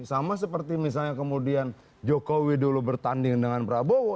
sama seperti misalnya kemudian jokowi dulu bertanding dengan prabowo